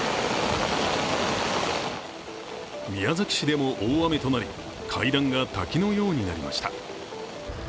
宮崎市でも大雨となり、階段が滝のようになりました。